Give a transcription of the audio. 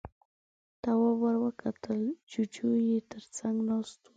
تواب ور وکتل، جُوجُو يې تر څنګ ناست و.